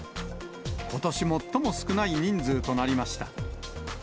ことし最も少ない人数となりました。